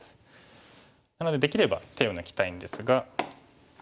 なのでできれば手を抜きたいんですが。